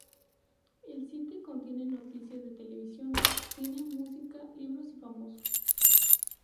El site contiene noticias de televisión, cine, música, libros y famosos.